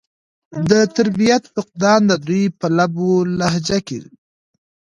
د تربيت فقدان د دوي پۀ لب و لهجه کښې